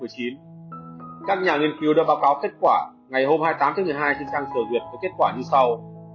các nhà nghiên cứu đã báo cáo kết quả ngày hôm hai mươi tám tháng một mươi hai trên trang trời duyệt với kết quả như sau